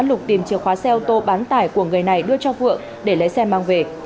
lục tìm chìa khóa xe ô tô bán tải của người này đưa cho phượng để lấy xe mang về